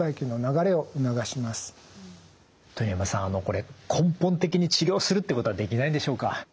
これ根本的に治療するってことはできないんでしょうか？